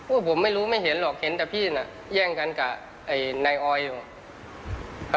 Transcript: ผมไม่รู้ไม่เห็นหรอกเห็นแต่พี่น่ะแย่งกันกับไอ้นายออยอยู่